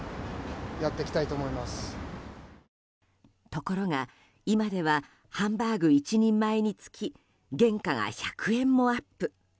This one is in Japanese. ところが今ではハンバーグ１人前につき原価が１００円もアップ。